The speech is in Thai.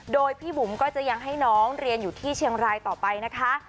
โดยพี่บุ๋มก็จะยังให้น้องเรียนอยู่ที่เชียงรายต่อไปนะคะ